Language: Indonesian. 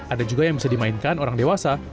ada juga yang bisa dimainkan orang dewasa